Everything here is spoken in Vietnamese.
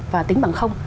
và tính bằng không